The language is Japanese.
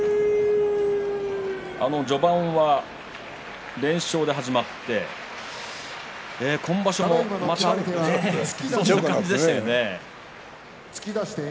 序盤は連勝で始まって今場所もまたという感じでしたね。